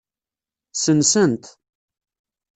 Sensen-t.